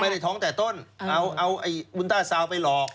ไม่ได้ท้องตั้งแต่ต้นเอาอุลต้าซาวไปหลอก